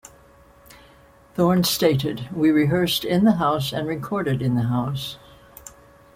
Thorn stated, We rehearsed in the house and recorded in the house.